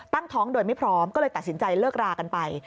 ตั้งท้องโดยไม่พร้อมก็เลยตัดสินใจเลิกรากันไป